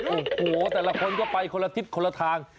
โอ้โหแต่ละคนก็ไปคนละทิศคนละทาง